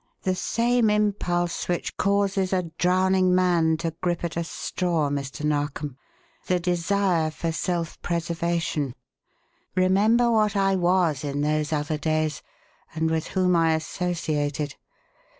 "The same impulse which causes a drowning man to grip at a straw, Mr. Narkom the desire for self preservation. Remember what I was in those other days, and with whom I associated.